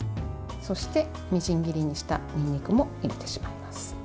そして、みじん切りにしたにんにくも入れてしまいます。